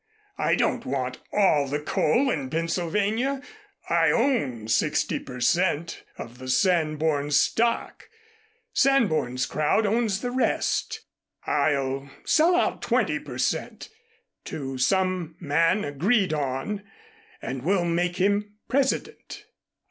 I don't want all the coal in Pennsylvania. I own sixty per cent. of the Sanborn stock. Sanborn's crowd owns the rest. I'll sell out twenty per cent. to some man agreed on and we'll make him president."